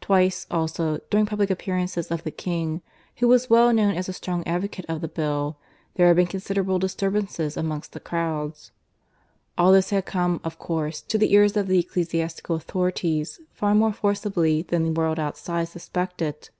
Twice, also, during public appearances of the King, who was well known as a strong advocate of the Bill, there had been considerable disturbances amongst the crowds. All this had come, of course, to the ears of the ecclesiastical authorities far more forcibly than the world outside suspected.